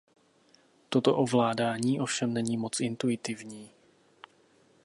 Toto ovládání ovšem není moc intuitivní.